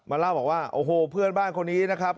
เล่าบอกว่าโอ้โหเพื่อนบ้านคนนี้นะครับ